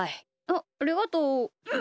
あっありがとう。